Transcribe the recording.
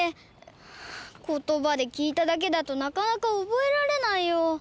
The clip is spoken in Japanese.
ことばできいただけだとなかなかおぼえられないよ。